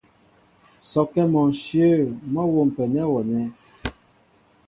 Sɔkɛ́ mɔ ǹshyə̂ mɔ́ a wômpɛ nɛ́ wɔ nɛ̂.